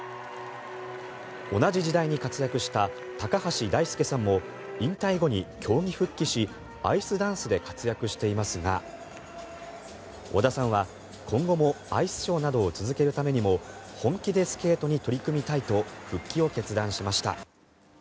同じ時代に活躍した高橋大輔さんも引退後に競技復帰しアイスダンスで活躍していますが織田さんは、今後もアイスショーなどを続けるためにも本気でスケートに取り組みたいと復帰を決断しました。